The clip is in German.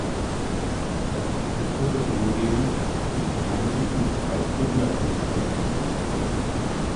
Das "Historische Museum" bietet Einblick in die Zeit der Unabhängigkeitskriege.